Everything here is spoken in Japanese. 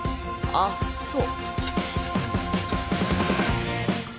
あっそう。